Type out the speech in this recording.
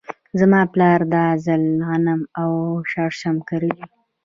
زما پلار دا ځل غنم او شړشم کري.